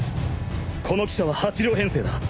この汽車は８両編成だ。